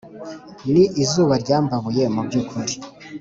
ni izuba ryambabuye mu byukuri